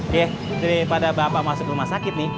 daripada bapak masuk rumah sakit nih